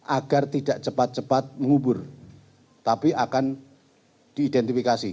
agar tidak cepat cepat mengubur tapi akan diidentifikasi